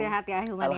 sehat ya ahilman ya